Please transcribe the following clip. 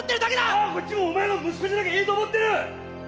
ああこっちもお前が息子じゃなきゃいいと思ってる！